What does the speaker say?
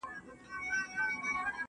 انارګل ته سجدې وړمه، کندهار ته غزل لیکم `